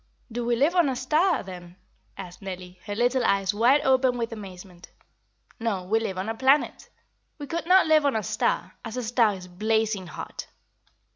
"Do we live on a star, then?" asked Nellie, her little eyes wide open with amazement. "No; we live on a planet. We could not live on a star, as a star is blazing hot.